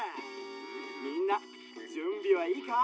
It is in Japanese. みんなじゅんびはいいか？